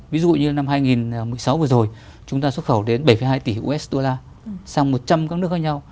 ví dụ như năm hai nghìn một mươi sáu vừa rồi chúng ta xuất khẩu đến bảy hai tỷ usd sang một trăm linh các nước khác nhau